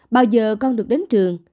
bao giờ con được đến trường